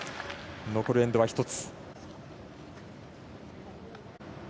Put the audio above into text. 残るエンドは１つ。